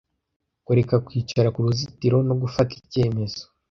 Kureka kwicara ku ruzitiro no gufata icyemezo!